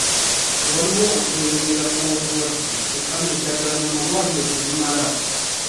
Waliwo okweyongera kw'obulwadde kyokka ng'eddagala mu malwaliro terimala.